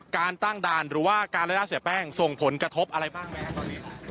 การตั้งด่านหรือว่าการไล่ล่าเสียแป้งส่งผลกระทบอะไรบ้างไหมครับตอนนี้